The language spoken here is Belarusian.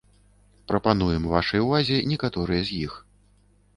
Прапануем вашай увазе некаторыя з іх.